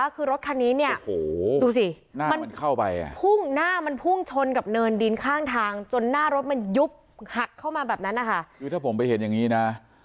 คือถ้าผมไปเห็นอย่างนี้นะ